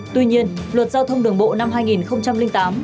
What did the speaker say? tuy nhiên luật giao thông đường bộ năm hai nghìn tám